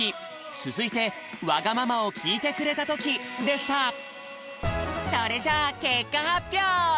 つづいて「わがままをきいてくれたとき」でしたそれじゃあけっかはっぴょう！